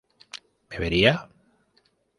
¿bebería?